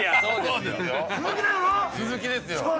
そうですよ。